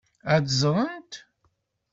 Ad ẓrent.